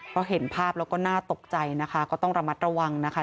เพราะเห็นภาพแล้วก็น่าตกใจนะคะก็ต้องระมัดระวังนะคะ